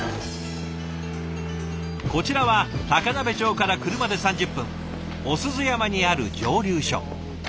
こちらは高鍋町から車で３０分尾鈴山にある蒸留所。